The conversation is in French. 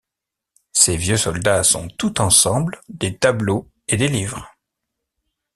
Ces vieux soldats sont tout ensemble des tableaux et des livres.